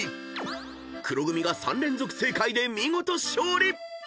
［黒組が３連続正解で見事勝利！］